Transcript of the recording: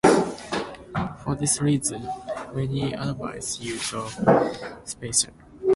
For this reason, many advise use of spacer.